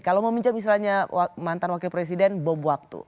kalau meminjam misalnya mantan wakil presiden bom waktu